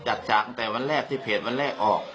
ฉากตั้งแต่วันแรกที่เพจวันแรกออก